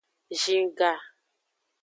Zin ga.